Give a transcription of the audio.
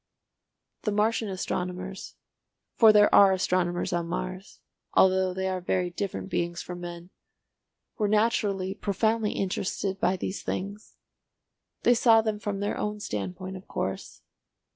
The Martian astronomers—for there are astronomers on Mars, although they are very different beings from men—were naturally profoundly interested by these things. They saw them from their own standpoint of course.